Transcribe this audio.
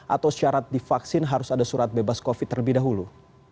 atau syarat divaksin harus ada surat bebas covid terlebih dahulu